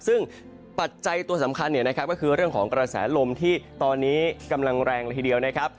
ซึ่งปัจจัยตัวสำคัญเนี่ยนะครับก็คือเรื่องของกระแสลมที่ตอนนี้กำลังแรงละทีเดียวนะครับ